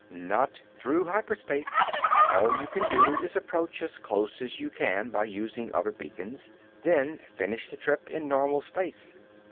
Not through hyperspace. All you can do is approach as close as you can by using other beacons, then finish the trip in normal space.